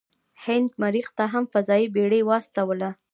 هند مریخ ته هم فضايي بیړۍ واستوله.